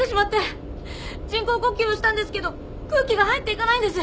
人工呼吸もしたんですけど空気が入っていかないんです。